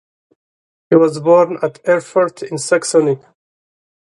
He was born at Erfurt in Saxony.